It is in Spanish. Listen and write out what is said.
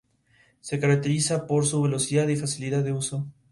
Se caracteriza por su velocidad y facilidad de uso.